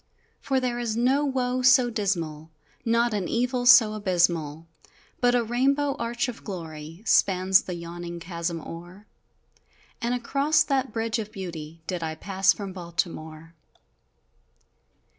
For there is no woe so dismal, Not an evil so abysmal, But a rainbow arch of glory Spans the yawning chasm o'er! And across that Bridge of Beauty Did I pass from Baltimore!